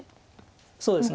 そうですね。